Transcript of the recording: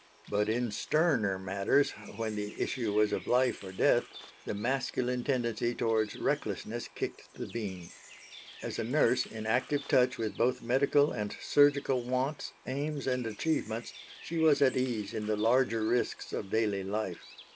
But in sterner matters, when the issue was of life or death, the masculine tendency towards recklessness kicked the beam. As a nurse in active touch with both medical and surgical wants, aims, and achievements, she was at ease in the larger risks of daily life.